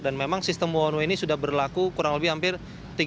dan memang sistem one way ini sudah berlaku dan memiliki pengurusan yang sangat mudah